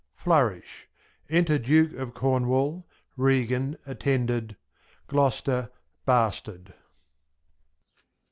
Flourish. Enter Duke of Cornwal, Regan, attended; Gloster, Bastard.